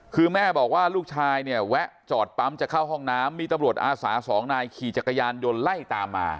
คือแม่บอกว่าลูกชายเนี่ยแวะจอดปั๊มจะเข้าห้องน้ำมีตำรวจอาสาสองนายขี่จักรยานยนต์ไล่ตามมา